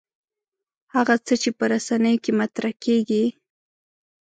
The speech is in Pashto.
هغه څه چې په رسنیو کې مطرح کېږي.